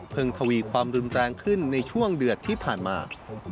ทวีความรุนแรงขึ้นในช่วงเดือดที่ผ่านมา